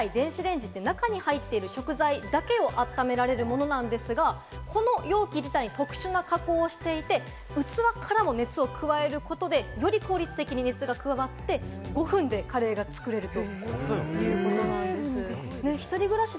本来、電子レンジって中に入っている食材だけを温められるものなんですが、この容器自体、特殊な加工をしていて、器からも熱を加えることで、より効率的に熱が加わって５分でカレーが作れると。